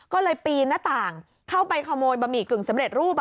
ก็เลยปีนหน้าต่างเข้าไปขโมยบะหมี่กึ่งสำเร็จรูป